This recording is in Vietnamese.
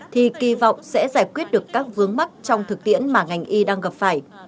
thì kỳ vọng sẽ giải quyết được các vướng mắc trong thực tiễn mà ngành y đang gặp phải